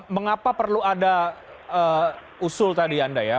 mengapa perlu ada usul tadi anda ya